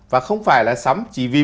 và không phải là sắm chỉ vì